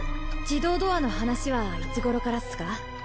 自動ドアの話はいつごろからっすか？